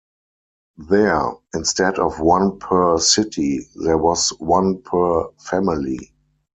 There, instead of one per city, there was one per family.